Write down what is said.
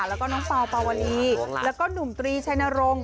แล้วก็น้องเปล่าปาวลีแล้วก็หนุ่มตรีชัยนรงค์